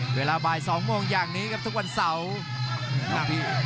เวลาบ่ายสองโมงอย่างนี้ครับ